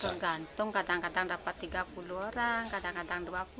tergantung kadang kadang dapat tiga puluh orang kadang kadang dua puluh ke depannya bisa